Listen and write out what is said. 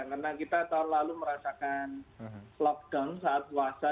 karena kita tahun lalu merasakan lockdown saat puasa